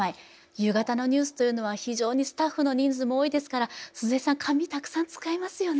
夕方のニュースというのは非常にスタッフの人数も多いですから鈴江さん紙たくさん使いますよね？